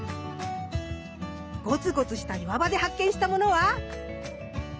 ゴツゴツした岩場で発見したものは？